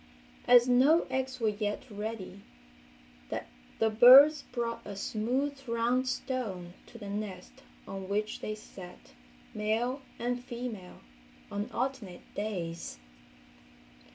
As no eggs were yet ready the birds brought a smooth round stone to the nest on which they sat, male and female, on alternate days.